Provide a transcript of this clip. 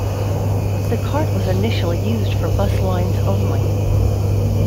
The card was initially used for bus lines only.